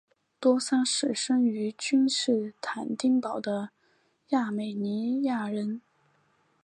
多桑是生于君士坦丁堡的亚美尼亚人。